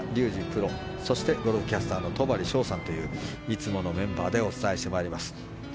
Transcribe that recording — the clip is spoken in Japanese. プロそして、ゴルフキャスターの戸張捷さんといういつものメンバーでお伝えしてまいります。